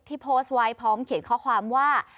โพสต์ไว้พร้อมเขียนข้อความว่า